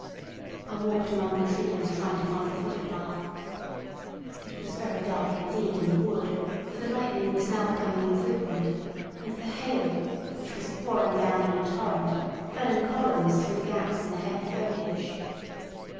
I walked among the trees trying to find the footpath. It was very dark indeed in the wood, for the lightning was now becoming infrequent, and the hail, which was pouring down in a torrent, fell in columns through the gaps in the heavy foliage.